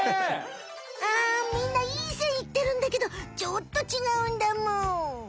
あみんないいせんいってるんだけどちょっとちがうんだむ！